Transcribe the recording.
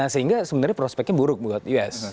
sehingga sebenarnya prospeknya buruk buat us